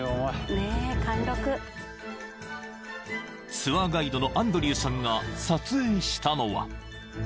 ［ツアーガイドのアンドリューさんが撮影したのは］